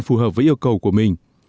phù hợp với yêu cầu của mình